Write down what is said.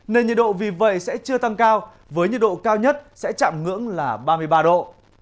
nên nhiệt độ vì vậy sẽ chưa tăng cao với nhiệt độ cao nhất sẽ chạm ngưỡng là ba mươi ba độ